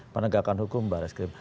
penegakan hukum baris krim